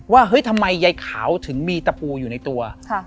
เฮ้ยทำไมยายขาวถึงมีตะปูอยู่ในตัว